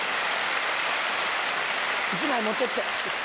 １枚持ってって。